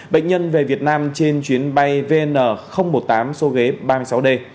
bệnh nhân về việt nam trên chuyến bay vn một mươi tám số ghế ba mươi sáu d